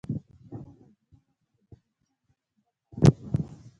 بیا موږ مجبور وو چې په داخلي جنګونو کې برخه واخلو.